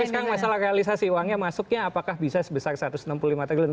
tapi sekarang masalah realisasi uangnya masuknya apakah bisa sebesar satu ratus enam puluh lima triliun